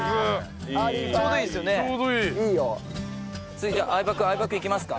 次じゃあ相葉君いきますか？